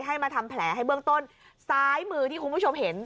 ให้มาทำแผลให้เบื้องต้นซ้ายมือที่คุณผู้ชมเห็น